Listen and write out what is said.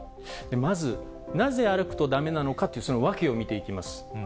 まず、なぜ歩くとだめなのかという、その訳を見ていきます。